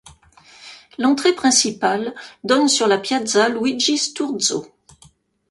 L'entrée principale donne sur la Piazza Luigi Sturzo.